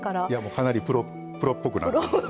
かなりプロっぽくなると思います。